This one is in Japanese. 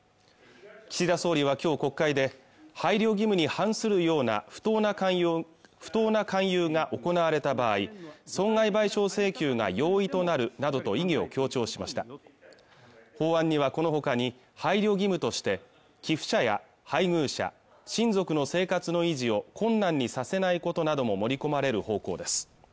岸田総理は今日国会で配慮義務に反するような不当な勧誘が行われた場合損害賠償請求が容易となるなどと意義を強調しました法案にはこの他に配慮義務として寄付者や配偶者、親族の生活の維持を困難にさせないことなども盛り込まれる方向です